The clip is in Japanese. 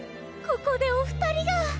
ここでお二人が！